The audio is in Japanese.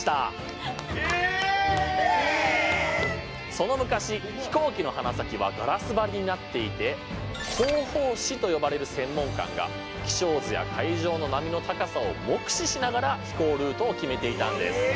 その昔飛行機の鼻先はガラス張りになっていて航法士と呼ばれる専門官が気象図や海上の波の高さを目視しながら飛行ルートを決めていたんです。